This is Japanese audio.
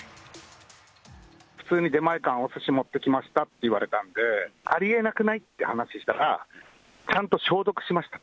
普通に、出前館、おすし持ってきましたって言われたんで、ありえなくない？って話をしたら、ちゃんと消毒しました。